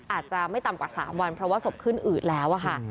อาจจะไม่ต่ำกว่า๓วันเพราะว่าศพขึ้นอืดแล้วอะค่ะ